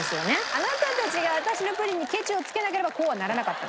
あなたたちが私のプリンにケチをつけなければこうはならなかった。